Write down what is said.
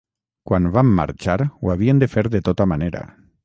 Quan vam marxar ho havien de fer de tota manera.